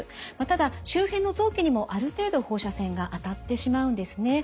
ただ周辺の臓器にもある程度放射線が当たってしまうんですね。